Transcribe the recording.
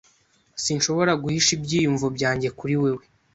Sinshobora guhisha ibyiyumvo byanjye kuri wewe.